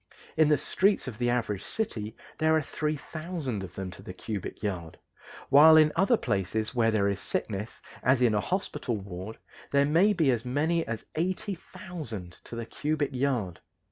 In the streets of the average city there are 3000 of them to the cubic yard, while in other places where there is sickness, as in a hospital ward, there may be as many as 80,000 to the cubic yard.